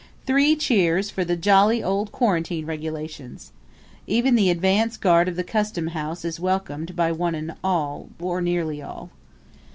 Three cheers for the jolly old quarantine regulations. Even the advance guard of the customhouse is welcomed by one and all or nearly all.